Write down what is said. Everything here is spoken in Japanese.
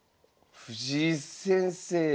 藤井先生え